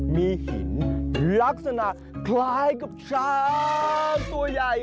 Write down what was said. มีหินลักษณะคล้ายกับช้างตัวใหญ่